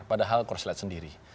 padahal korslet sendiri